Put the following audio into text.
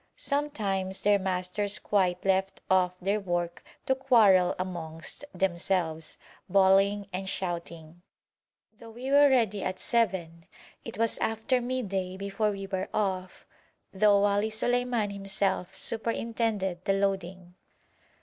Sometimes their masters quite left off their work to quarrel amongst themselves, bawling and shouting. Though we were ready at seven, it was after midday before we were off, though Wali Suleiman himself superintended the loading.